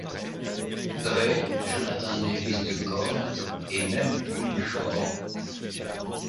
Dre, Jonathan Davis de Korn et même Pauly Shore.